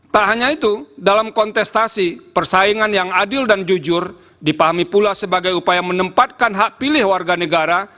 tak hanya itu dalam kontestasi persaingan yang adil dan jujur dipahami pula sebagai upaya menempatkan hak pilih warga negara